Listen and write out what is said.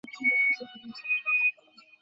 এটা খারাপ হবে।